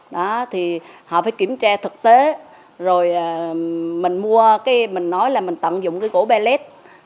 đó thì họ phải kiểm tra thực tế rồi mình mua cái mình nói là mình tận dụng cái gỗ bellet